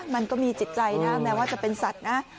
มันก็มีจิตใจนะแม้ว่าจะเป็นสัตว์นะ